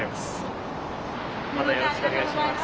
よろしくお願いします。